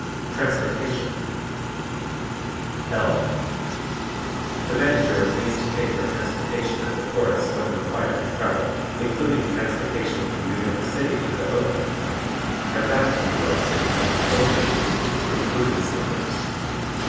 Transportation L. The Manager agrees to pay for transportation of the Chorus when required to travel, including transportation from New York City to the opening point and back to New York City from the closing point, including sleepers.